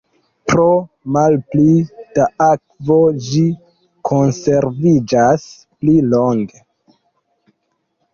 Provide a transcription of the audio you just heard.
Pro malpli da akvo ĝi konserviĝas pli longe.